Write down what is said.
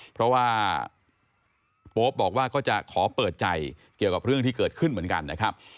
เพราะว่าโป๊ปบอกว่าก็จะขอเปิดใจเกี่ยวกับเรื่องที่เกิดขึ้นเหมือนกันนะครับ